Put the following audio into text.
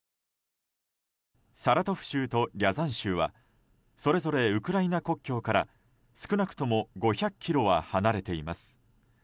サラトフ州とリャザン州はそれぞれウクライナ国境から少なくとも５００ｋｍは離れています。